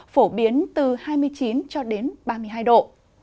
phổ biến từ hai mươi chín ba mươi hai độ